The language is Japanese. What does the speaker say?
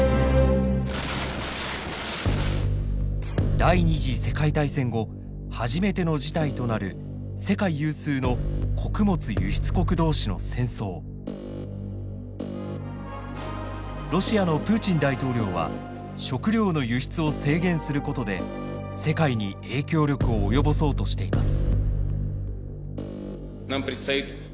第２次世界大戦後初めての事態となる世界有数のロシアのプーチン大統領は食料の輸出を制限することで世界に影響力を及ぼそうとしています。